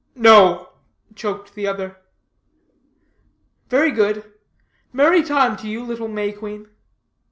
"No," choked the other. "Very good. Merry time to you, little May Queen."